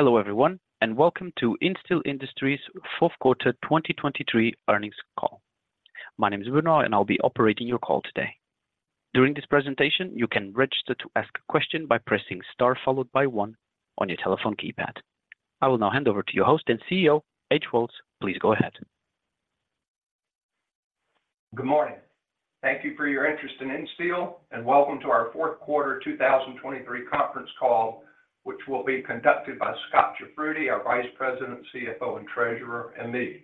Hello, everyone, and welcome to Insteel Industries' fourth quarter 2023 earnings call. My name is Bruno, and I'll be operating your call today. During this presentation, you can register to ask a question by pressing star, followed by one on your telephone keypad. I will now hand over to your host and CEO, H.O. Woltz. Please go ahead. Good morning. Thank you for your interest in Insteel, and welcome to our fourth quarter 2023 conference call, which will be conducted by Scot Jafroodi, our Vice President, CFO, and Treasurer, and me.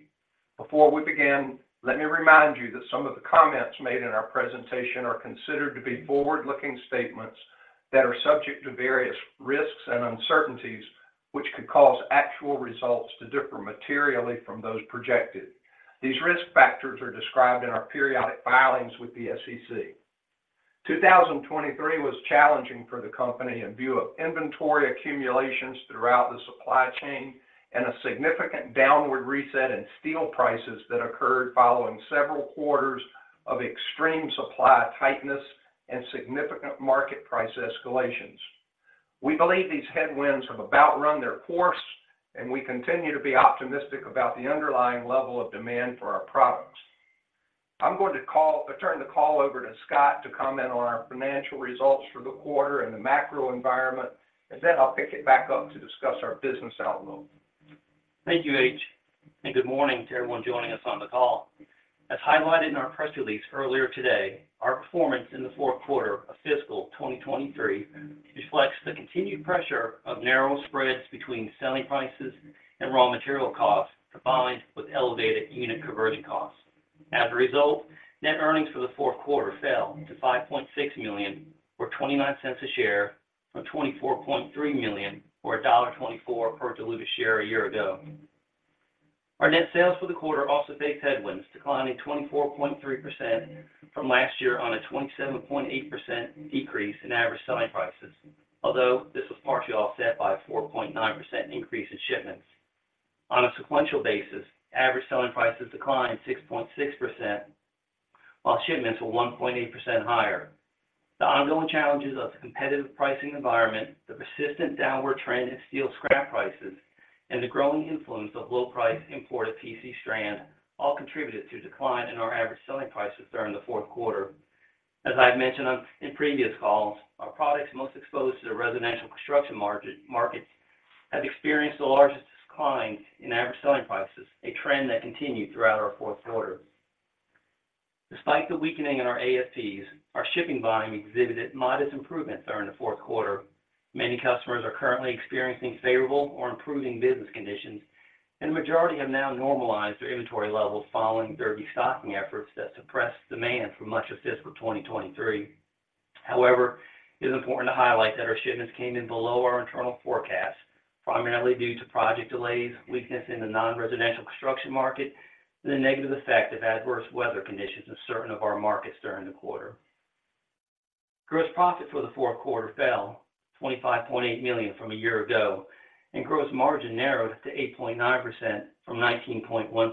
Before we begin, let me remind you that some of the comments made in our presentation are considered to be forward-looking statements that are subject to various risks and uncertainties, which could cause actual results to differ materially from those projected. These risk factors are described in our periodic filings with the SEC. 2023 was challenging for the company in view of inventory accumulations throughout the supply chain and a significant downward reset in steel prices that occurred following several quarters of extreme supply tightness and significant market price escalations. We believe these headwinds have about run their course, and we continue to be optimistic about the underlying level of demand for our products. I'm going to turn the call over to Scot to comment on our financial results for the quarter and the macro environment, and then I'll pick it back up to discuss our business outlook. Thank you, H, and good morning to everyone joining us on the call. As highlighted in our press release earlier today, our performance in the fourth quarter of fiscal 2023 reflects the continued pressure of narrow spreads between selling prices and raw material costs, combined with elevated unit conversion costs. As a result, net earnings for the fourth quarter fell to $5.6 million, or $0.29 a share, from $24.3 million, or $1.24 per diluted share a year ago. Our net sales for the quarter also faced headwinds, declining 24.3% from last year on a 27.8% decrease in average selling prices. Although, this was partially offset by a 4.9% increase in shipments. On a sequential basis, average selling prices declined 6.6%, while shipments were 1.8% higher. The ongoing challenges of the competitive pricing environment, the persistent downward trend in steel scrap prices, and the growing influence of low-price imported PC strand all contributed to decline in our average selling prices during the fourth quarter. As I've mentioned in previous calls, our products most exposed to the residential construction markets have experienced the largest decline in average selling prices, a trend that continued throughout our fourth quarter. Despite the weakening in our ASPs, our shipping volume exhibited modest improvements during the fourth quarter. Many customers are currently experiencing favorable or improving business conditions, and majority have now normalized their inventory levels following their destocking efforts that suppressed demand for much of fiscal 2023. However, it is important to highlight that our shipments came in below our internal forecast, primarily due to project delays, weakness in the non-residential construction market, and the negative effect of adverse weather conditions in certain of our markets during the quarter. Gross profit for the fourth quarter fell to $25.8 million from a year ago, and gross margin narrowed to 8.9% from 19.1%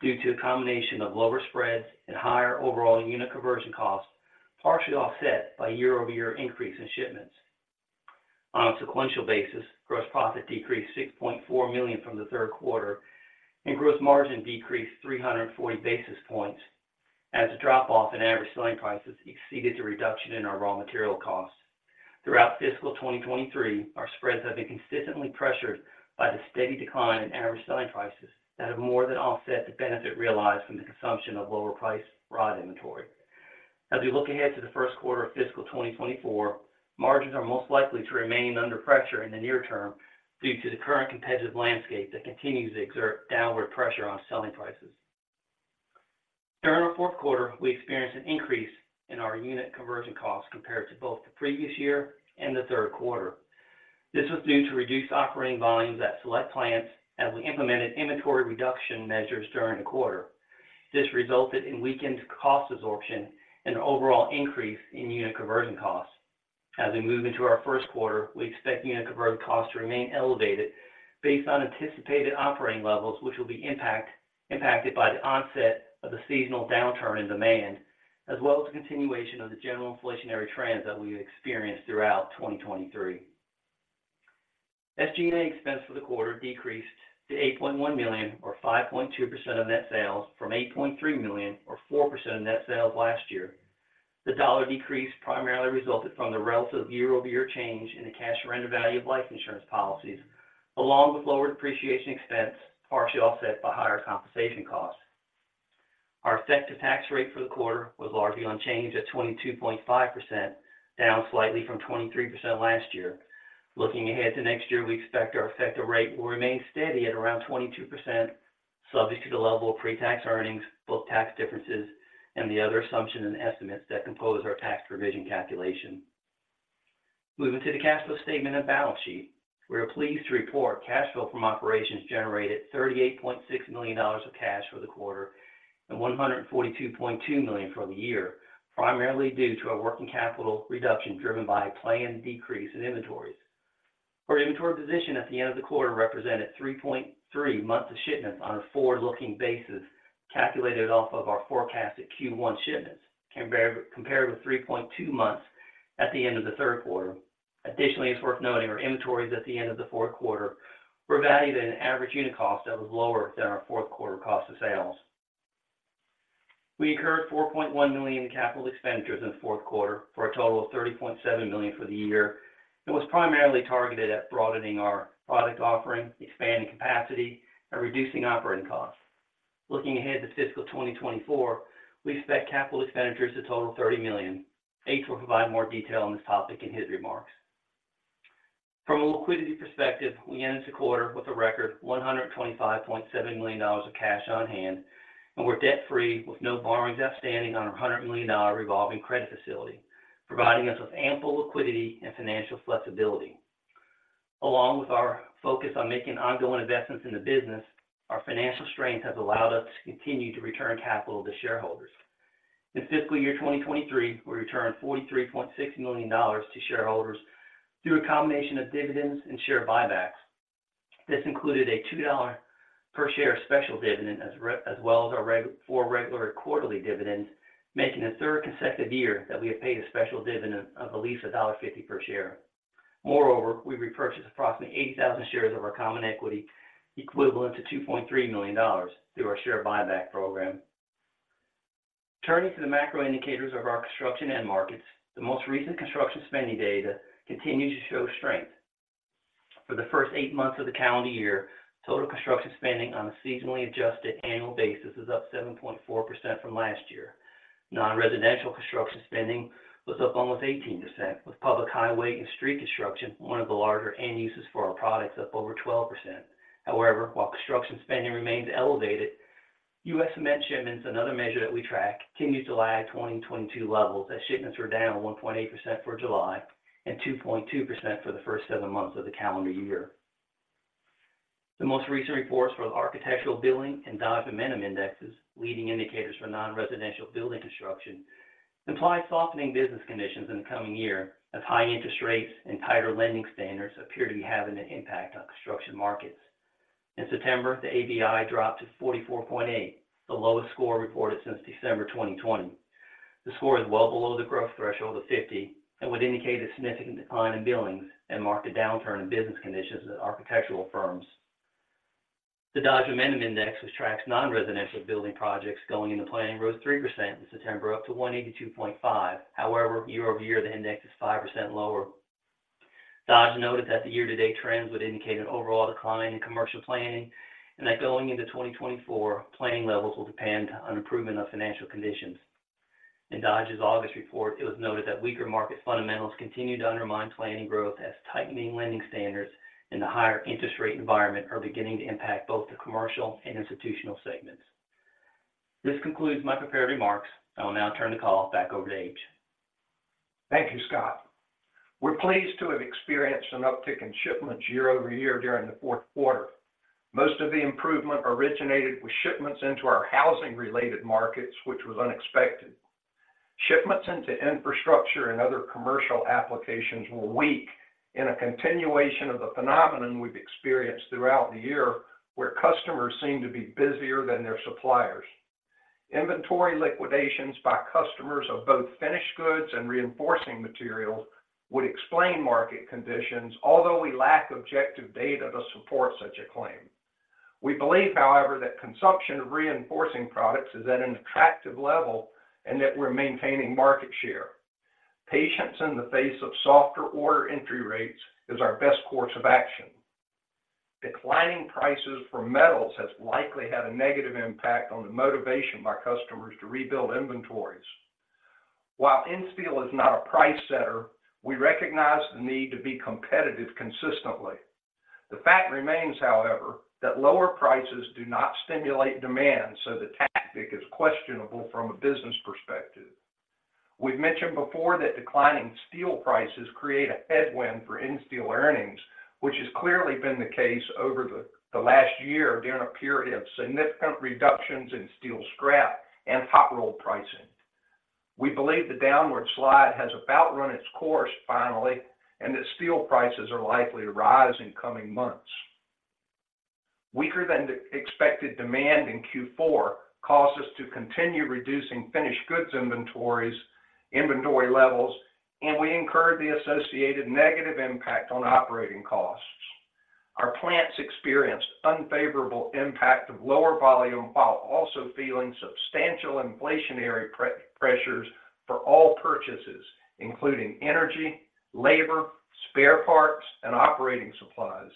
due to a combination of lower spreads and higher overall unit conversion costs, partially offset by year-over-year increase in shipments. On a sequential basis, gross profit decreased $6.4 million from the third quarter, and gross margin decreased 340 basis points as the drop-off in average selling prices exceeded the reduction in our raw material costs. Throughout fiscal 2023, our spreads have been consistently pressured by the steady decline in average selling prices that have more than offset the benefit realized from the consumption of lower-priced rod inventory. As we look ahead to the first quarter of fiscal 2024, margins are most likely to remain under pressure in the near term due to the current competitive landscape that continues to exert downward pressure on selling prices. During our fourth quarter, we experienced an increase in our unit conversion costs compared to both the previous year and the third quarter. This was due to reduced operating volumes at select plants as we implemented inventory reduction measures during the quarter. This resulted in weakened cost absorption and an overall increase in unit conversion costs. As we move into our first quarter, we expect unit conversion costs to remain elevated based on anticipated operating levels, which will be impacted by the onset of the seasonal downturn in demand, as well as the continuation of the general inflationary trends that we've experienced throughout 2023. SG&A expense for the quarter decreased to $8.1 million, or 5.2% of net sales, from $8.3 million, or 4% of net sales last year. The dollar decrease primarily resulted from the relative year-over-year change in the cash surrender value of life insurance policies, along with lower depreciation expense, partially offset by higher compensation costs. Our effective tax rate for the quarter was largely unchanged at 22.5%, down slightly from 23% last year. Looking ahead to next year, we expect our effective rate will remain steady at around 22%, subject to the level of pre-tax earnings, both tax differences and the other assumptions and estimates that compose our tax revision calculation. Moving to the cash flow statement and balance sheet. We are pleased to report cash flow from operations generated $38.6 million of cash for the quarter and $142.2 million for the year, primarily due to our working capital reduction, driven by a planned decrease in inventories. Our inventory position at the end of the quarter represented 3.3 months of shipments on a forward-looking basis, calculated off of our forecasted Q1 shipments, compared with 3.2 months at the end of the third quarter. Additionally, it's worth noting our inventories at the end of the fourth quarter were valued at an average unit cost that was lower than our fourth quarter cost of sales. We incurred $4.1 million in capital expenditures in the fourth quarter for a total of $30.7 million for the year, and was primarily targeted at broadening our product offering, expanding capacity, and reducing operating costs. Looking ahead to fiscal 2024, we expect capital expenditures to total $30 million. H will provide more detail on this topic in his remarks. From a liquidity perspective, we ended the quarter with a record $125.7 million of cash on hand, and we're debt-free, with no borrowings outstanding on our $100 million revolving credit facility, providing us with ample liquidity and financial flexibility. Along with our focus on making ongoing investments in the business, our financial strength has allowed us to continue to return capital to shareholders. In fiscal year 2023, we returned $43.6 million to shareholders through a combination of dividends and share buybacks. This included a $2-per-share special dividend, as well as our four regular quarterly dividends, making the third consecutive year that we have paid a special dividend of at least $1.50 per share. Moreover, we repurchased approximately 80,000 shares of our common equity, equivalent to $2.3 million, through our share buyback program. Turning to the macro indicators of our construction end markets, the most recent construction spending data continues to show strength. For the first 8 months of the calendar year, total construction spending on a seasonally adjusted annual basis is up 7.4% from last year. Non-residential construction spending was up almost 18%, with public highway and street construction, one of the larger end uses for our products, up over 12%. However, while construction spending remains elevated, U.S. cement shipments, another measure that we track, continues to lag 2022 levels, as shipments were down 1.8% for July and 2.2% for the first 7 months of the calendar year. The most recent reports for the Architecture Billings and Dodge Momentum Indexes, leading indicators for non-residential building construction, imply softening business conditions in the coming year, as high interest rates and tighter lending standards appear to be having an impact on construction markets. In September, the ABI dropped to 44.8, the lowest score reported since December 2020. The score is well below the growth threshold of 50 and would indicate a significant decline in billings and mark a downturn in business conditions at architectural firms. The Dodge Momentum Index, which tracks non-residential building projects going into planning, rose 3% in September, up to 182.5. However, year-over-year, the index is 5% lower. Dodge noted that the year-to-date trends would indicate an overall decline in commercial planning and that going into 2024, planning levels will depend on improvement of financial conditions. In Dodge's August report, it was noted that weaker market fundamentals continue to undermine planning growth as tightening lending standards in the higher interest rate environment are beginning to impact both the commercial and institutional segments. This concludes my prepared remarks. I will now turn the call back over to H. Thank you, Scot. We're pleased to have experienced an uptick in shipments year-over-year during the fourth quarter. Most of the improvement originated with shipments into our housing-related markets, which was unexpected. Shipments into infrastructure and other commercial applications were weak in a continuation of the phenomenon we've experienced throughout the year, where customers seem to be busier than their suppliers. Inventory liquidations by customers of both finished goods and reinforcing materials would explain market conditions, although we lack objective data to support such a claim. We believe, however, that consumption of reinforcing products is at an attractive level and that we're maintaining market share. Patience in the face of softer order entry rates is our best course of action. Declining prices for metals has likely had a negative impact on the motivation by customers to rebuild inventories. While Insteel is not a price setter, we recognize the need to be competitive consistently. The fact remains, however, that lower prices do not stimulate demand, so the tactic is questionable from a business perspective. We've mentioned before that declining steel prices create a headwind for Insteel earnings, which has clearly been the case over the last year during a period of significant reductions in steel scrap and hot roll pricing. We believe the downward slide has about run its course finally, and that steel prices are likely to rise in coming months. Weaker-than-expected demand in Q4 caused us to continue reducing finished goods inventories, inventory levels, and we incurred the associated negative impact on operating costs. Our plants experienced unfavorable impact of lower volume, while also feeling substantial inflationary pressures for all purchases, including energy, labor, spare parts, and operating supplies.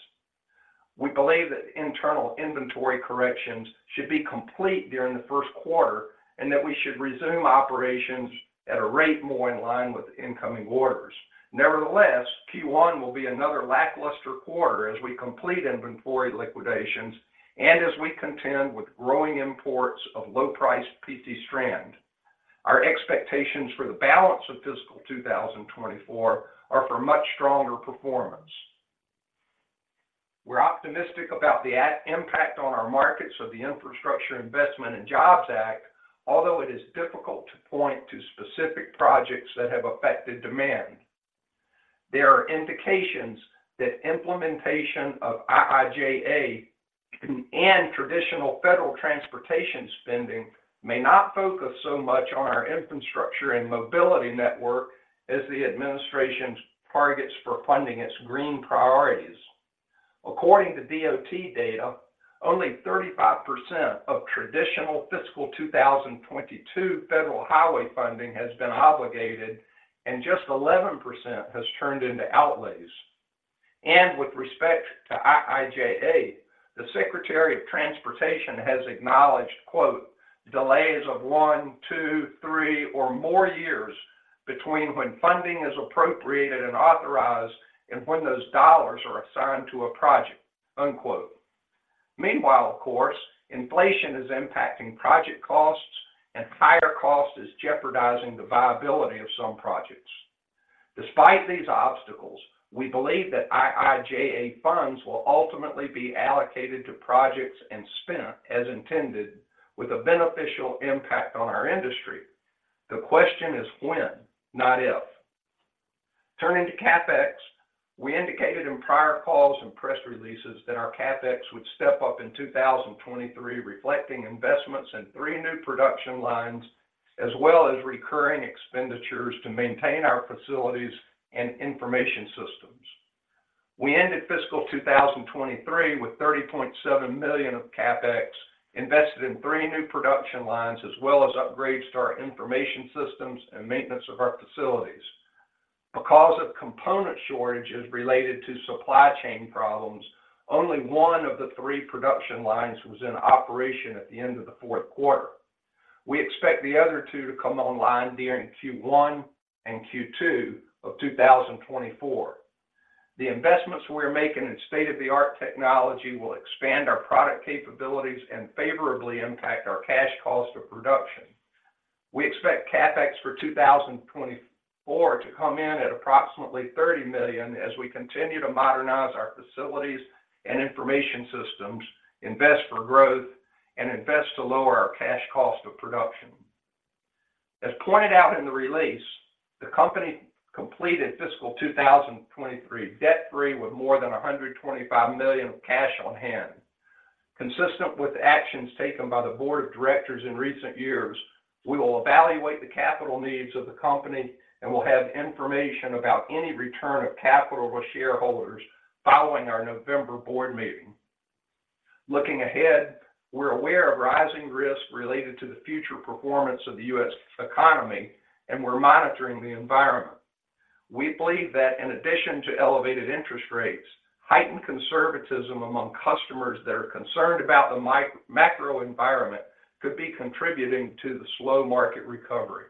We believe that internal inventory corrections should be complete during the first quarter and that we should resume operations at a rate more in line with incoming orders. Nevertheless, Q1 will be another lackluster quarter as we complete inventory liquidations and as we contend with growing imports of low-priced PC strand. Our expectations for the balance of fiscal 2024 are for much stronger performance. We're optimistic about the impact on our markets of the Infrastructure Investment and Jobs Act, although it is difficult to point to specific projects that have affected demand. There are indications that implementation of IIJA and traditional federal transportation spending may not focus so much on our infrastructure and mobility network as the administration's targets for funding its green priorities. According to DOT data, only 35% of traditional fiscal 2022 federal highway funding has been obligated, and just 11% has turned into outlays. And with respect to IIJA, the Secretary of Transportation has acknowledged, quote, "Delays of one, two, three, or more years between when funding is appropriated and authorized and when those dollars are assigned to a project," unquote. Meanwhile, of course, inflation is impacting project costs, and higher cost is jeopardizing the viability of some projects. Despite these obstacles, we believe that IIJA funds will ultimately be allocated to projects and spent as intended, with a beneficial impact on our industry. The question is when, not if. Turning to CapEx, we indicated in prior calls and press releases that our CapEx would step up in 2023, reflecting investments in 3 new production lines, as well as recurring expenditures to maintain our facilities and information systems. We ended fiscal 2023 with $30.7 million of CapEx invested in 3 new production lines, as well as upgrades to our information systems and maintenance of our facilities. Because of component shortages related to supply chain problems, only 1 of the 3 production lines was in operation at the end of the fourth quarter. We expect the other 2 to come online during Q1 and Q2 of 2024. The investments we're making in state-of-the-art technology will expand our product capabilities and favorably impact our cash cost of production. We expect CapEx for 2024 to come in at approximately $30 million as we continue to modernize our facilities and information systems, invest for growth, and invest to lower our cash cost of production. As pointed out in the release, the company completed fiscal 2023 debt-free, with more than $125 million of cash on hand. Consistent with actions taken by the board of directors in recent years, we will evaluate the capital needs of the company and will have information about any return of capital to shareholders following our November board meeting. Looking ahead, we're aware of rising risks related to the future performance of the U.S. economy, and we're monitoring the environment. We believe that in addition to elevated interest rates, heightened conservatism among customers that are concerned about the macro environment could be contributing to the slow market recovery.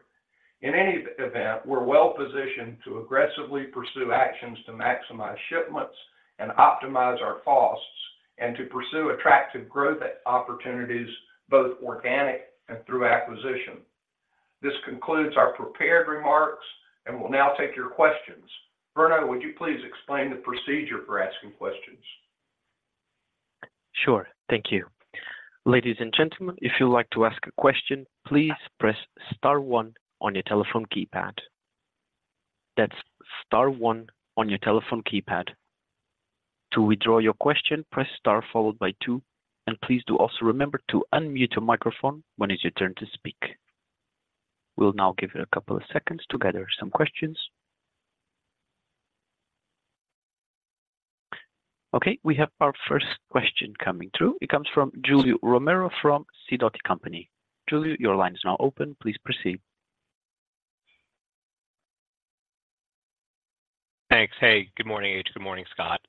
In any event, we're well positioned to aggressively pursue actions to maximize shipments and optimize our costs, and to pursue attractive growth opportunities, both organic and through acquisition. This concludes our prepared remarks, and we'll now take your questions. Bruno, would you please explain the procedure for asking questions? Sure. Thank you. Ladies and gentlemen, if you'd like to ask a question, please press star one on your telephone keypad. That's star one on your telephone keypad. To withdraw your question, press star followed by two, and please do also remember to unmute your microphone when it's your turn to speak. We'll now give it a couple of seconds to gather some questions. Okay, we have our first question coming through. It comes from Julio Romero from Sidoti & Company. Julio, your line is now open. Please proceed. Thanks. Hey, good morning, H. Good morning, Scott.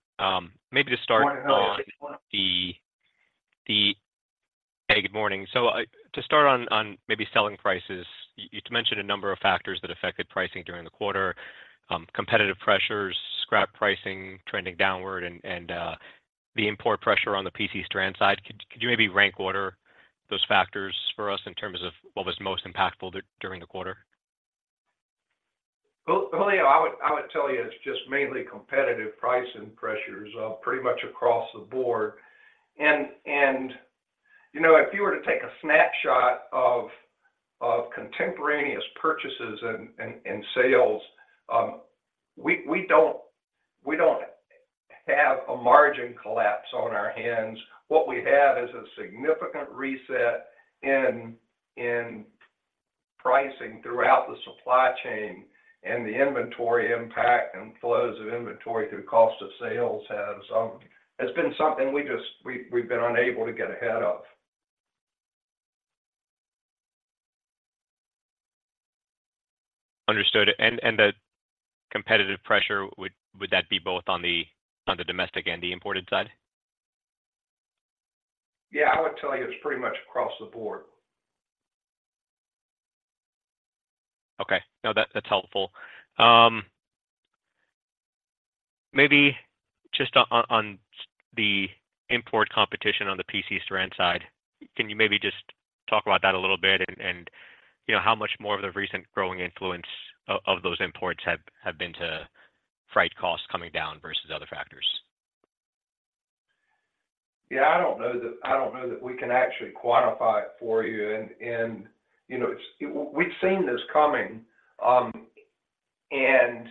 Maybe to start- Good morning, Julio. Hey, good morning. So, to start on maybe selling prices, you mentioned a number of factors that affected pricing during the quarter, competitive pressures, scrap pricing trending downward, and the import pressure on the PC strand side. Could you maybe rank order those factors for us in terms of what was most impactful during the quarter? Well, Julio, I would tell you it's just mainly competitive pricing pressures pretty much across the board. And you know, if you were to take a snapshot of contemporaneous purchases and sales, we don't have a margin collapse on our hands. What we have is a significant reset in pricing throughout the supply chain, and the inventory impact and flows of inventory through cost of sales has been something we've been unable to get ahead of. Understood. And the competitive pressure, would that be both on the domestic and the imported side? Yeah, I would tell you it's pretty much across the board. Okay. No, that's helpful. Maybe just on the import competition on the PC strand side, can you maybe just talk about that a little bit, and you know, how much more of the recent growing influence of those imports have been to freight costs coming down versus other factors? Yeah, I don't know that, I don't know that we can actually quantify it for you. And, you know, we've seen this coming, and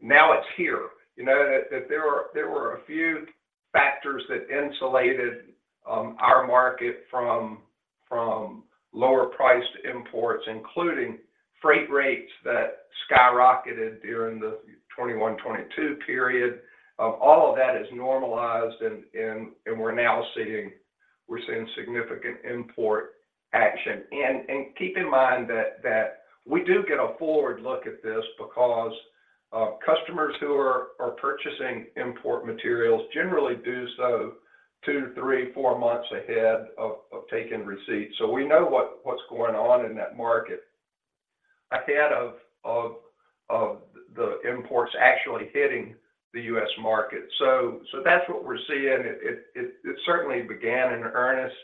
now it's here. You know, that there were a few factors that insulated our market from lower-priced imports, including freight rates that skyrocketed during the 2021, 2022 period. All of that is normalized, and we're now seeing significant import action. And keep in mind that we do get a forward look at this because customers who are purchasing import materials generally do so two, three, four months ahead of taking receipt. So we know what's going on in that market ahead of the imports actually hitting the U.S. market. So that's what we're seeing. It certainly began in earnest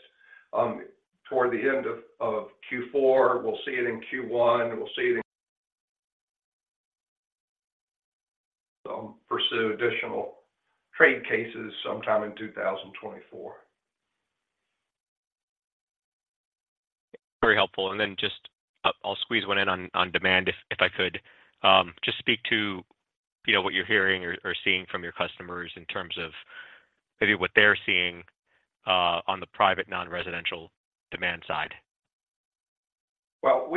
toward the end of Q4. We'll see it in Q1, we'll see it in... pursue additional trade cases sometime in 2024. Very helpful. And then just, I'll squeeze one in on demand, if I could. Just speak to, you know, what you're hearing or seeing from your customers in terms of maybe what they're seeing on the private non-residential demand side. Well,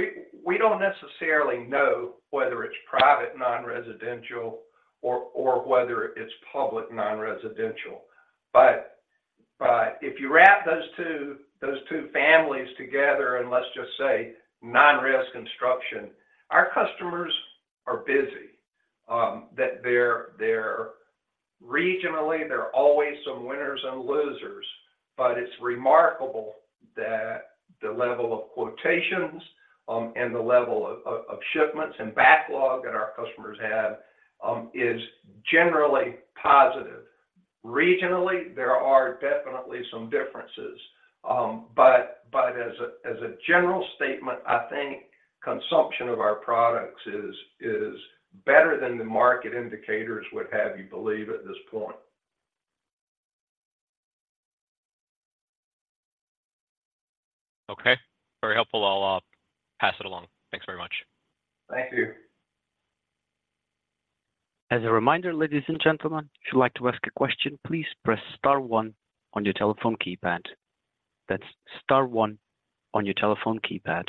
we don't necessarily know whether it's private non-residential or whether it's public non-residential. But if you wrap those two families together, and let's just say non-res construction, our customers are busy. There regionally, there are always some winners and losers, but it's remarkable that the level of quotations and the level of shipments and backlog that our customers have is generally positive. Regionally, there are definitely some differences, but as a general statement, I think consumption of our products is better than the market indicators would have you believe at this point. Okay. Very helpful. I'll pass it along. Thanks very much. Thank you. As a reminder, ladies and gentlemen, if you'd like to ask a question, please press star one on your telephone keypad. That's star one on your telephone keypad.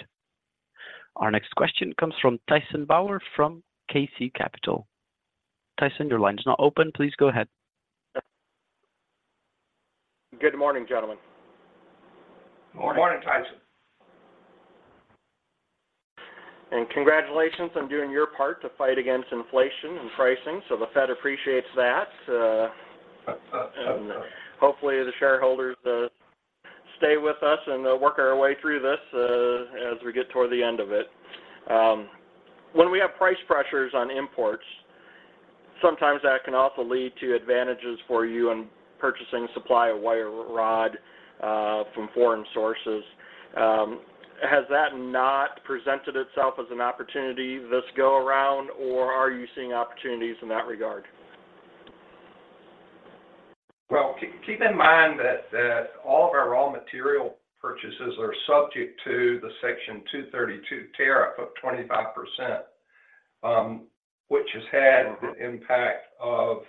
Our next question comes from Tyson Bauer from KC Capital. Tyson, your line is now open. Please go ahead. Good morning, gentlemen. Morning. Morning, Tyson. Congratulations on doing your part to fight against inflation and pricing, so the Fed appreciates that. Uh, uh. Hopefully, the shareholders stay with us, and work our way through this, as we get toward the end of it. When we have price pressures on imports, sometimes that can also lead to advantages for you in purchasing supply of wire rod, from foreign sources. Has that not presented itself as an opportunity this go around, or are you seeing opportunities in that regard? Well, keep in mind that all of our raw material purchases are subject to the Section 232 tariff of 25%, which has had the impact of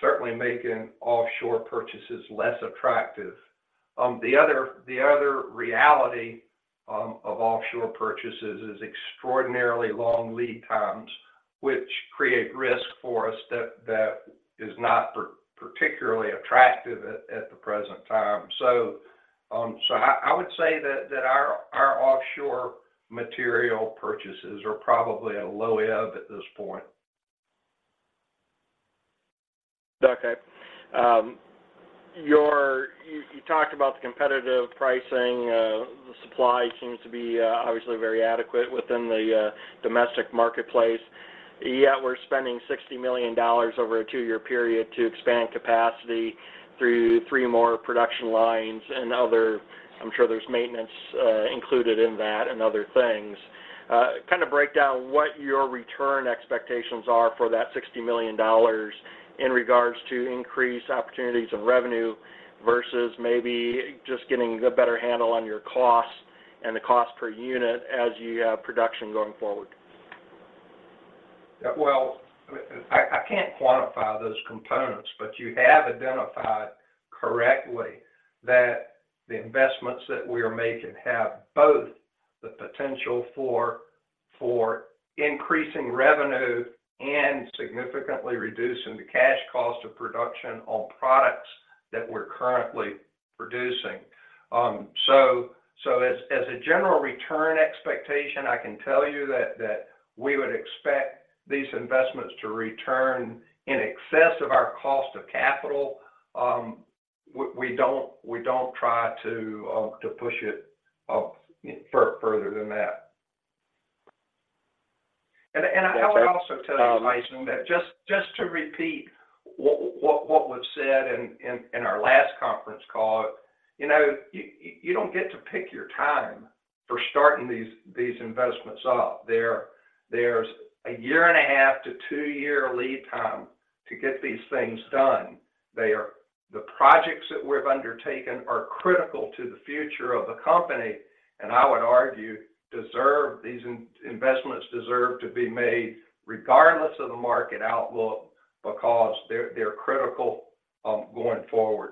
certainly making offshore purchases less attractive. The other reality of offshore purchases is extraordinarily long lead times, which create risk for us, that is not particularly attractive at the present time. So, I would say that our offshore material purchases are probably at a low ebb at this point. Okay. You talked about the competitive pricing. The supply seems to be obviously very adequate within the domestic marketplace, yet we're spending $60 million over a 2-year period to expand capacity through 3 more production lines and other... I'm sure there's maintenance included in that and other things. Kind of break down what your return expectations are for that $60 million in regards to increased opportunities and revenue, versus maybe just getting a better handle on your costs and the cost per unit as your production going forward. Well, I can't quantify those components, but you have identified correctly that the investments that we are making have both the potential for increasing revenue and significantly reducing the cash cost of production on products that we're currently producing. So as a general return expectation, I can tell you that we would expect these investments to return in excess of our cost of capital. We don't try to push it further than that. And I'll also tell you, Tyson, that just to repeat what was said in our last conference call, you know, you don't get to pick your time for starting these investments off. There's a 1.5-year to 2-year lead time to get these things done. The projects that we've undertaken are critical to the future of the company, and I would argue these investments deserve to be made regardless of the market outlook, because they're critical going forward.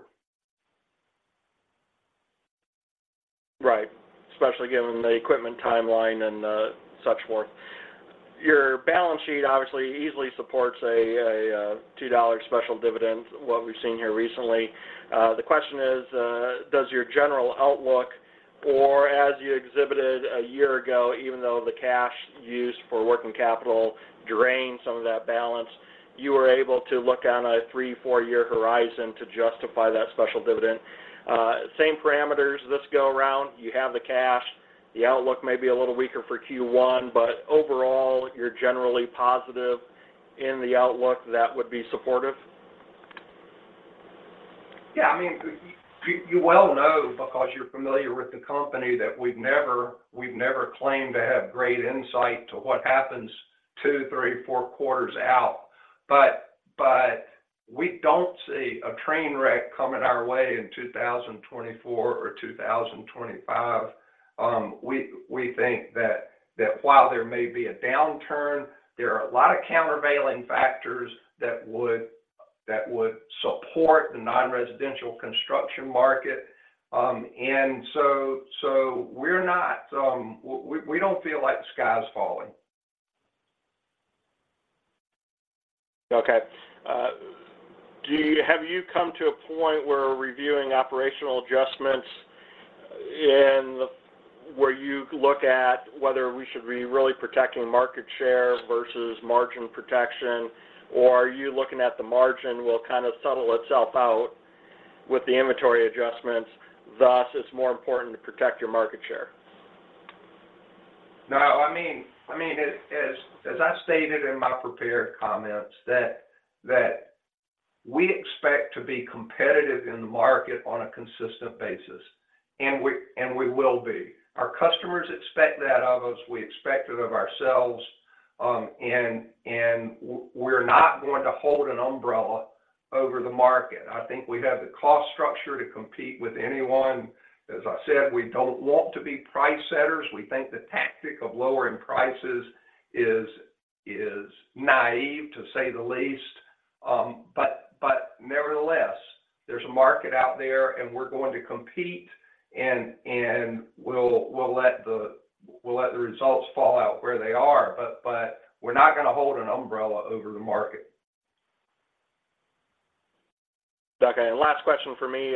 Especially given the equipment timeline and, such forth. Your balance sheet obviously easily supports a $2 special dividend, what we've seen here recently. The question is, does your general outlook or as you exhibited a year ago, even though the cash used for working capital drained some of that balance, you were able to look on a 3-4-year horizon to justify that special dividend? Same parameters this go around. You have the cash, the outlook may be a little weaker for Q1, but overall, you're generally positive in the outlook that would be supportive? Yeah, I mean, you well know because you're familiar with the company, that we've never claimed to have great insight to what happens 2, 3, 4 quarters out. But we don't see a train wreck coming our way in 2024 or 2025. We think that while there may be a downturn, there are a lot of countervailing factors that would support the non-residential construction market. And so, we're not. We don't feel like the sky is falling. Okay. Do you have you come to a point where reviewing operational adjustments in the where you look at whether we should be really protecting market share versus margin protection? Or are you looking at the margin will kind of settle itself out with the inventory adjustments, thus, it's more important to protect your market share? No, I mean, as I stated in my prepared comments, that we expect to be competitive in the market on a consistent basis, and we will be. Our customers expect that of us. We expect it of ourselves, and we're not going to hold an umbrella over the market. I think we have the cost structure to compete with anyone. As I said, we don't want to be price setters. We think the tactic of lowering prices is naive, to say the least. But nevertheless, there's a market out there, and we're going to compete, and we'll let the results fall out where they are, but we're not going to hold an umbrella over the market. Okay, and last question for me,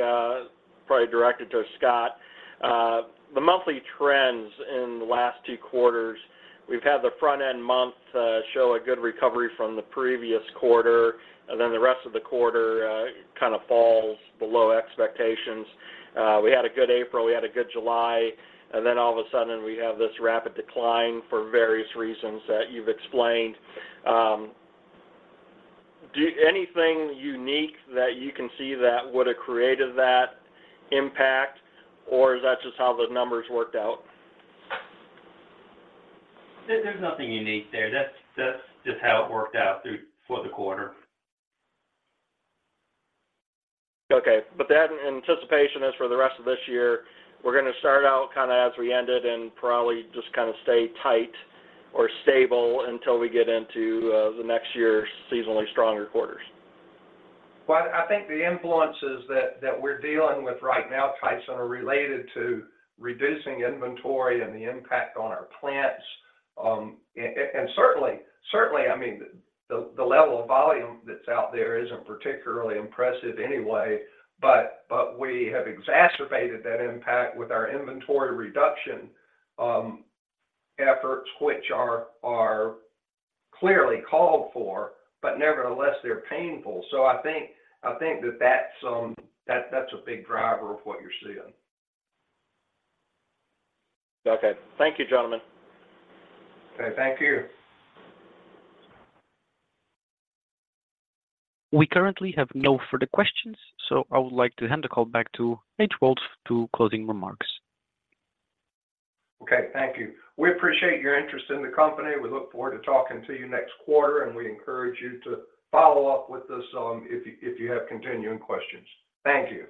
probably directed to Scot. The monthly trends in the last two quarters, we've had the front-end month show a good recovery from the previous quarter, and then the rest of the quarter kind of falls below expectations. We had a good April, we had a good July, and then all of a sudden, we have this rapid decline for various reasons that you've explained. Do you... anything unique that you can see that would have created that impact, or is that just how the numbers worked out? There, there's nothing unique there. That's just how it worked out for the quarter. Okay. But that, in anticipation, is for the rest of this year. We're going to start out kind of as we ended and probably just kind of stay tight or stable until we get into the next year's seasonally stronger quarters. Well, I think the influences that we're dealing with right now, Tyson, are related to reducing inventory and the impact on our plants. And certainly, I mean, the level of volume that's out there isn't particularly impressive anyway, but we have exacerbated that impact with our inventory reduction efforts, which are clearly called for, but nevertheless, they're painful. So I think that that's a big driver of what you're seeing. Okay. Thank you, gentlemen. Okay, thank you. We currently have no further questions, so I would like to hand the call back to H.O. Woltz, to closing remarks. Okay, thank you. We appreciate your interest in the company. We look forward to talking to you next quarter, and we encourage you to follow up with us, if you, if you have continuing questions. Thank you.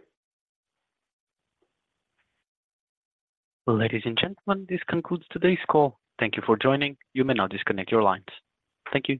Ladies and gentlemen, this concludes today's call. Thank you for joining. You may now disconnect your lines. Thank you.